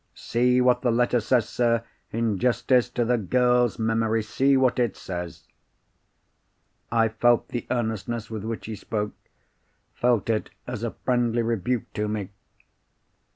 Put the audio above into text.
See what the letter says, sir. In justice to the girl's memory, see what it says." I felt the earnestness with which he spoke—felt it as a friendly rebuke to me.